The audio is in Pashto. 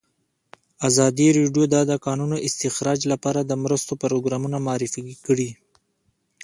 ازادي راډیو د د کانونو استخراج لپاره د مرستو پروګرامونه معرفي کړي.